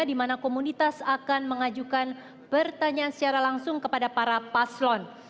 di mana komunitas akan mengajukan pertanyaan secara langsung kepada para paslon